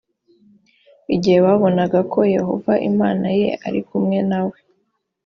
igihe babonaga ko yehova imana ye ari kumwe na we